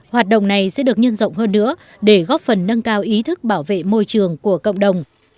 hoạt động này sẽ được nhân rộng hơn nữa để góp phần nâng cao ý thức bảo vệ môi trường của cộng đồng